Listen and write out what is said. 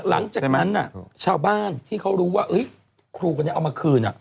หลังจากนั้นน่ะชาวบ้านที่เขารู้ว่าเอ๊ยครูกันเนี่ยเอามาคืนอ่ะ